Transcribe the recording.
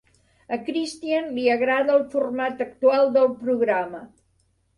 A Christian li agrada el format actual del programa.